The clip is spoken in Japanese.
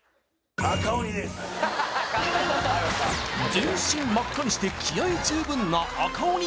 全身真っ赤にして気合い十分な赤鬼